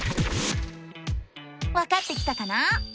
わかってきたかな？